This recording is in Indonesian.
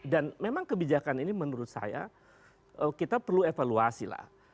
dan memang kebijakan ini menurut saya kita perlu evaluasi lah